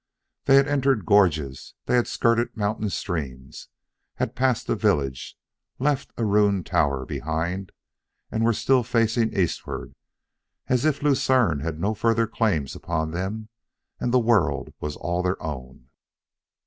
They had entered gorges; they had skirted mountain streams, had passed a village, left a ruined tower behind, and were still facing eastward, as if Lucerne had no further claims upon them and the world was all their own.